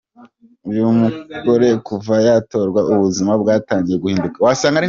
Uyu muore kuva yatorwa ubuzima bwatangiye guhinduka.